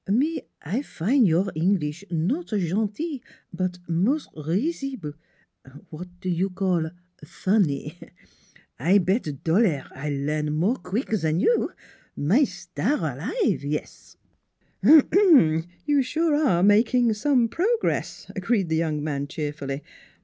me I fin' your Englis' not gentil, but mos' risible^ w'at you call fon ny. I bet dollaire I learn more queek zan you! my star alive, yes I "" You sure are making some progress," agreed the young man cheerfully.